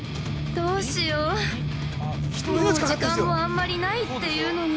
◆どうしよう、もう時間もあんまりないっていうのに。